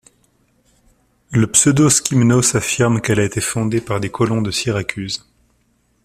Le Pseudo-Skymnos affirme qu'elle a été fondée par des colons de Syracuse.